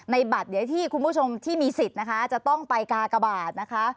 บัตรเดี๋ยวที่คุณผู้ชมที่มีสิทธิ์นะคะจะต้องไปกากบาทนะคะ